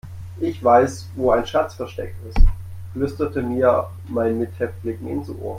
Ich weiß, wo ein Schatz versteckt ist, flüsterte mir mein Mithäftling ins Ohr.